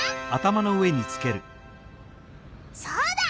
そうだ！